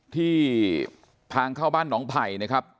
ที่ทางเข้าบ้านหนองไผ่นะครับ